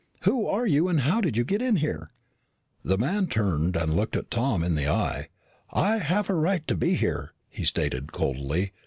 "Who are you and how did you get in here?" The man turned and looked Tom in the eye. "I have a right to be here," he stated coldly.